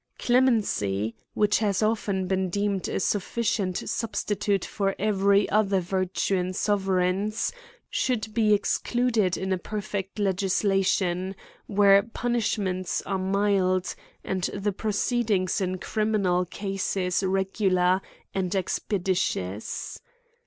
Clemency, which has often been deemed a suffi cient substitute for every other virtue in sove reigns, should be excluded in a perfect legislation, where punishments are mild, and the proceedings in criminal cases regular and expeditious.